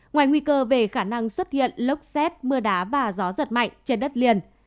ngoài nguy cơ về khả năng xuất hiện lốc xét mưa đá và gió giật mạnh trên đất liền